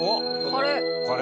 カレー。